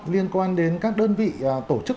liên quan đến các đơn vị tổ chức